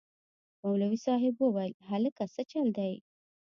مولوي صاحب وويل هلکه سه چل دې.